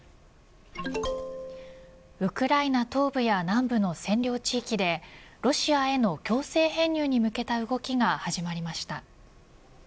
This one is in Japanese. ウクライナ東部や南部の占領地域でロシアへの強制編入に向けた動きが始まりました。